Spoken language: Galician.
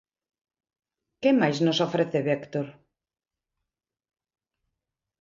Que máis nos ofrece Vector?